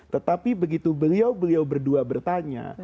tetapi begitu beliau beliau berdua bertanya